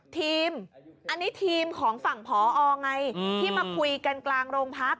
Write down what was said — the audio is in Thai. ทีมอันนี้ทีมของฝั่งพอไงที่มาคุยกันกลางโรงพัก